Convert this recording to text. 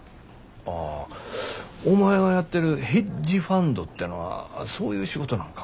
ああお前がやってるヘッジファンドてのはそういう仕事なんか。